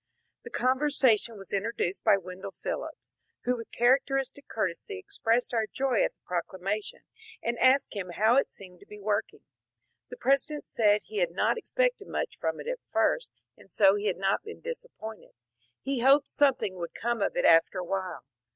The conversation was introduced by Wendell Phillips, who with characteristic courtesy expressed our joy at the procla mation, and asked him how it seemed to be working. The President said he had not expected much from it at first, and so had not been disappointed ; he hoped something would come of it after a while.